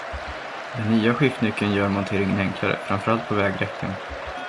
Den nya skiftnyckeln gör monteringen enklare, framför allt på vägräcken.